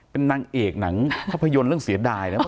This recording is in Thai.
เป็นนางเอกหนังภาพยนตร์เรื่องเสียดายนะ